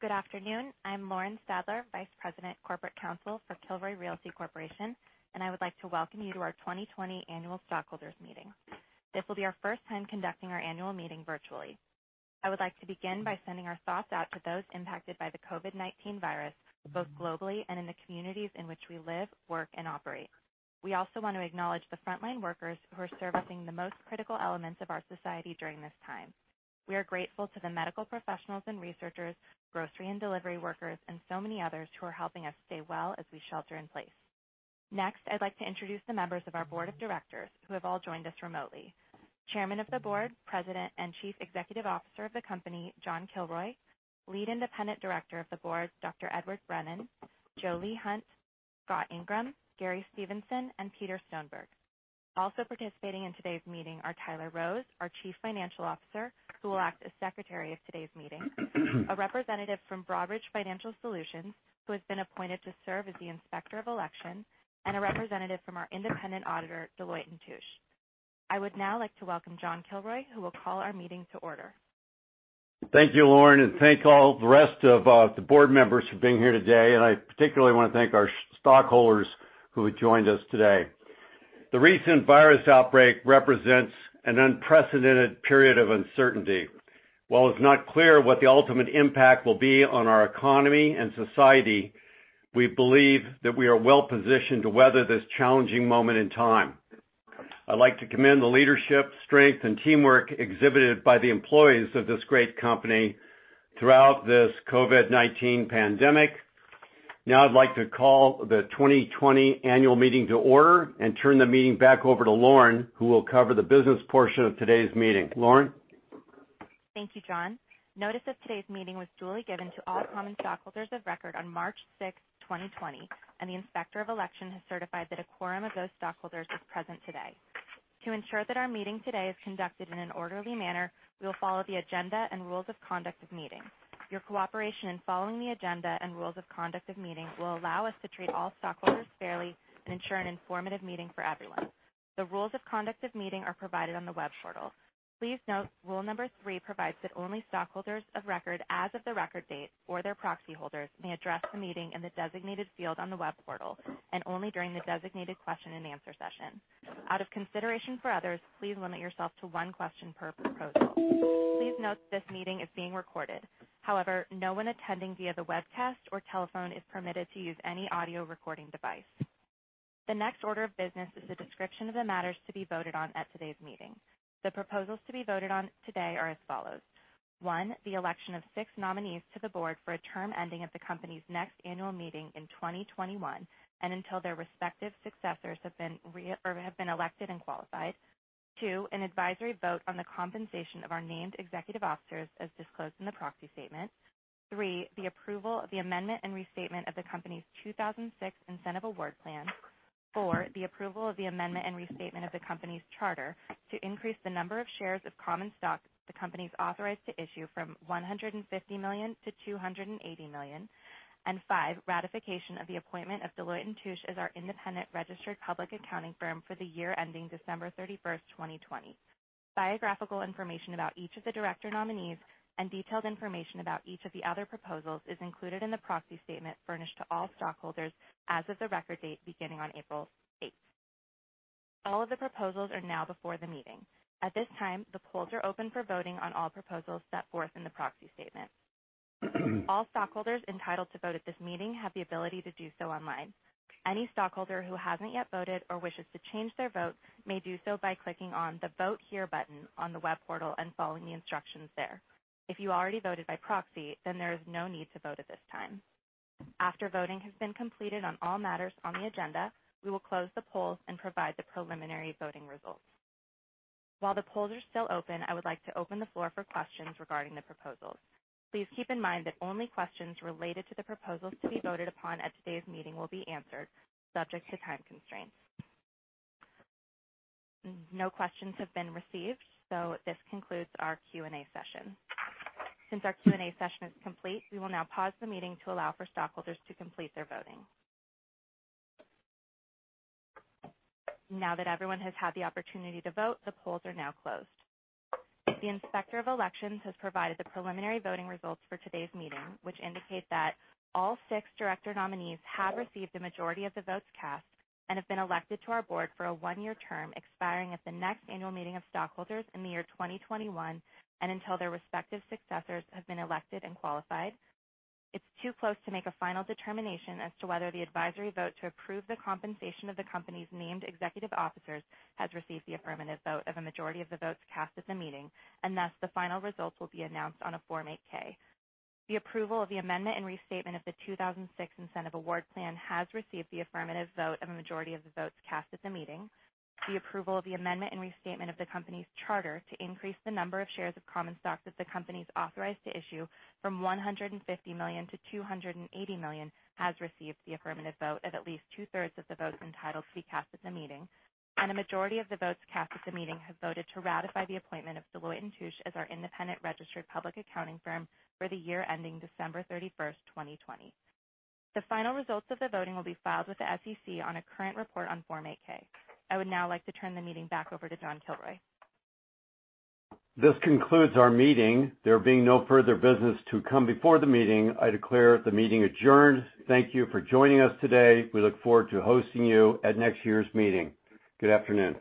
Good afternoon. I'm Lauren Stadler, Vice President, Corporate Counsel for Kilroy Realty Corporation, and I would like to welcome you to our 2020 Annual Stockholders Meeting. This will be our first time conducting our annual meeting virtually. I would like to begin by sending our thoughts out to those impacted by the COVID-19 virus, both globally and in the communities in which we live, work, and operate. We also want to acknowledge the frontline workers who are servicing the most critical elements of our society during this time. We are grateful to the medical professionals and researchers, grocery and delivery workers, and so many others who are helping us stay well as we shelter in place. Next, I'd like to introduce the members of our Board of Directors who have all joined us remotely. Chairman of the Board, President, and Chief Executive Officer of the company, John Kilroy; Lead Independent Director of the Board, Dr. Edward Brennan; Jolie Hunt; Scott Ingraham; Gary Stevenson; and Peter Stoneberg. Also participating in today's meeting are Tyler Rose, our Chief Financial Officer, who will act as Secretary of today's meeting; a representative from Broadridge Financial Solutions, who has been appointed to serve as the Inspector of Election; and a representative from our independent auditor, Deloitte & Touche. I would now like to welcome John Kilroy, who will call our meeting to order. Thank you, Lauren, thank all the rest of the board members for being here today. I particularly want to thank our stockholders who have joined us today. The recent virus outbreak represents an unprecedented period of uncertainty. While it's not clear what the ultimate impact will be on our economy and society, we believe that we are well-positioned to weather this challenging moment in time. I'd like to commend the leadership, strength, and teamwork exhibited by the employees of this great company throughout this COVID-19 pandemic. Now, I'd like to call the 2020 annual meeting to order and turn the meeting back over to Lauren, who will cover the business portion of today's meeting. Lauren? Thank you, John. Notice of today's meeting was duly given to all common stockholders of record on March 6th, 2020, and the Inspector of Election has certified that a quorum of those stockholders is present today. To ensure that our meeting today is conducted in an orderly manner, we will follow the agenda and rules of conduct of meeting. Your cooperation in following the agenda and rules of conduct of meeting will allow us to treat all stockholders fairly and ensure an informative meeting for everyone. The rules of conduct of meeting are provided on the web portal. Please note rule number three provides that only stockholders of record as of the record date, or their proxy holders, may address the meeting in the designated field on the web portal and only during the designated question and answer session. Out of consideration for others, please limit yourself to one question per proposal. Please note this meeting is being recorded. However, no one attending via the webcast or telephone is permitted to use any audio recording device. The next order of business is a description of the matters to be voted on at today's meeting. The proposals to be voted on today are as follows. 1, the election of 6 nominees to the board for a term ending at the company's next annual meeting in 2021, and until their respective successors have been elected and qualified. 2, an advisory vote on the compensation of our named executive officers as disclosed in the proxy statement. 3, the approval of the amendment and restatement of the company's 2006 Incentive Award Plan. Four, the approval of the amendment and restatement of the company's charter to increase the number of shares of common stock the company's authorized to issue from $150 million-$280 million. Five, ratification of the appointment of Deloitte & Touche as our independent registered public accounting firm for the year ending December 31st, 2020. Biographical information about each of the director nominees and detailed information about each of the other proposals is included in the proxy statement furnished to all stockholders as of the record date beginning on April 8th. All of the proposals are now before the meeting. At this time, the polls are open for voting on all proposals set forth in the proxy statement. All stockholders entitled to vote at this meeting have the ability to do so online. Any stockholder who hasn't yet voted or wishes to change their vote may do so by clicking on the Vote Here button on the web portal and following the instructions there. If you already voted by proxy, then there is no need to vote at this time. After voting has been completed on all matters on the agenda, we will close the polls and provide the preliminary voting results. While the polls are still open, I would like to open the floor for questions regarding the proposals. Please keep in mind that only questions related to the proposals to be voted upon at today's meeting will be answered, subject to time constraints. No questions have been received, so this concludes our Q&A session. Since our Q&A session is complete, we will now pause the meeting to allow for stockholders to complete their voting. Now that everyone has had the opportunity to vote, the polls are now closed. The Inspector of Elections has provided the preliminary voting results for today's meeting, which indicate that all six director nominees have received a majority of the votes cast and have been elected to our board for a one-year term expiring at the next annual meeting of stockholders in the year 2021, and until their respective successors have been elected and qualified. It's too close to make a final determination as to whether the advisory vote to approve the compensation of the company's named executive officers has received the affirmative vote of a majority of the votes cast at the meeting, thus, the final results will be announced on a Form 8-K. The approval of the amendment and restatement of the 2006 Incentive Award Plan has received the affirmative vote of a majority of the votes cast at the meeting. The approval of the amendment and restatement of the company's charter to increase the number of shares of common stock that the company's authorized to issue from 150 million to 280 million has received the affirmative vote of at least two-thirds of the votes entitled to be cast at the meeting. A majority of the votes cast at the meeting have voted to ratify the appointment of Deloitte & Touche as our independent registered public accounting firm for the year ending December 31st, 2020. The final results of the voting will be filed with the SEC on a current report on Form 8-K. I would now like to turn the meeting back over to John Kilroy. This concludes our meeting. There being no further business to come before the meeting, I declare the meeting adjourned. Thank you for joining us today. We look forward to hosting you at next year's meeting. Good afternoon.